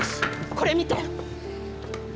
これ見て。